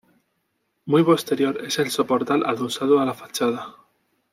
Muy posterior es el soportal adosado a la fachada.